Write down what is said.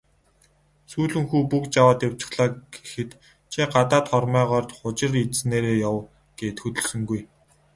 "Сүүлэн хүү бөгж аваад явчихлаа" гэхэд "Чи гадаад хормойгоор хужир идсэнээрээ яв" гээд хөдөлсөнгүй.